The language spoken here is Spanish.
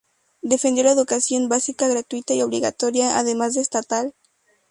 Defendió la educación básica gratuita y obligatoria, además de estatal.